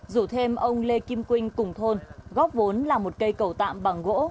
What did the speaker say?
rủ thêm ông lê kim quynh cùng thôn góp vốn làm một cây cầu tạm bằng gỗ